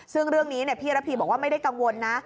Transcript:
ซึ่งเรื่องนี้พี่ระพีบอกว่าไม่ได้กังวลนะ